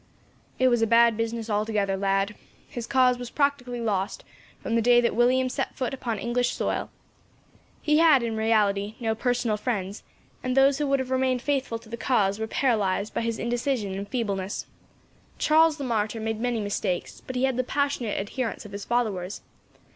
"It was a bad business, altogether, lad. His cause was practically lost, from the day that William set foot upon English soil. He had, in reality, no personal friends; and those who would have remained faithful to the cause, were paralysed by his indecision and feebleness. Charles the Martyr made many mistakes, but he had the passionate adherence of his followers.